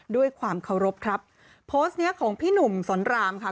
ด้วยความเคารพครับโพสต์เนี้ยของพี่หนุ่มสอนรามค่ะ